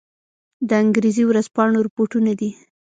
د انګرېزي ورځپاڼو رپوټونه دي.